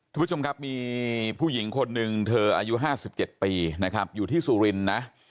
ทุกผู้ชมครับมีผู้หญิงคนหนึ่งเธออายุ๕๗ปีนะครับอยู่ที่สุรินทร์นะ